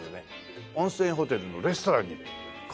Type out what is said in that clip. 温泉ホテルのレストランにいますね。